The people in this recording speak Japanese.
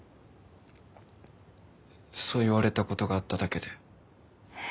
そう言われた事があっただけで。